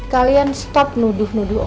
kalian stop nuduh nuduh